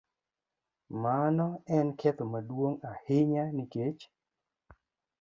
Mano en ketho maduong' ahinya nikech